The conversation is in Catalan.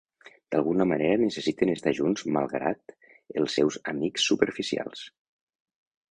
D'alguna manera necessiten estar junts malgrat els seus amics superficials.